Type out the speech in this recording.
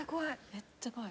めっちゃ怖い。